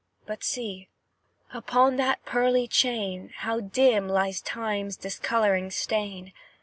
But see upon that pearly chain How dim lies Time's discolouring stain!